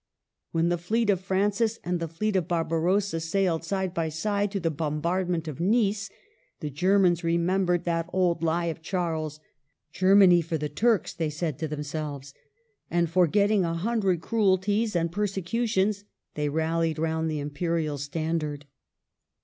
When the fleet of Francis and the fleet of Barbarossa sailed side by side to the bombardment of Nice, the Germans remembered that old lie of Charles. *' Germany for the Turks," they said to themselves. And forgetting a hundred cruelties and persecutions, they rallied round the Imperial standard.